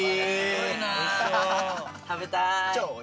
食べたい！